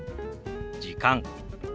「時間」。